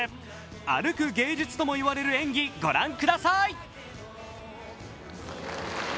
歩く芸術とも言われる演技、ご覧ください。